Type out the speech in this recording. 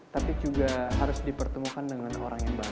tapi juga harus dipertemukan dengan orang yang baru